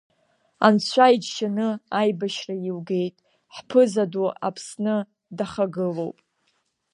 Анцәа иџьшьаны, аибашьра еилгеит, ҳԥыза ду Аԥсны дахагылоуп.